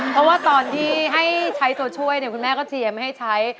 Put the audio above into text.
เพราะว่าตอนที่ให้ใช้ตัวช่วยเนี่ยคุณแม่ก็เจียไม่ให้ใช้